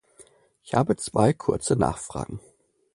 Ich habe zwei kurze Nachfragen.